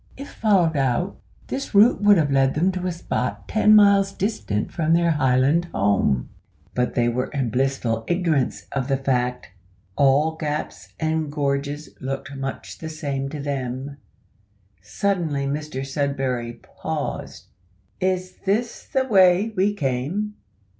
If followed out, this route would have led them to a spot ten miles distant from their Highland home; but they were in blissful ignorance of the fact. All gaps and gorges looked much the same to them. Suddenly Mr Sudberry paused: "Is this the way we came?"